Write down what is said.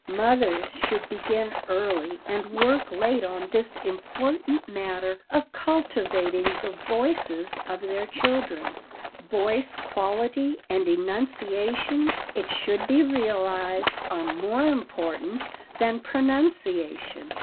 Mothers should begin early and work late on this important matter of cultivating the voices of their children. Voice quality and enunciation, it should be realized, are more important than pronunciation.